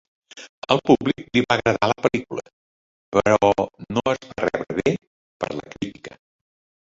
Al públic li va agradar la pel·lícula, però no es va rebre bé per la crítica.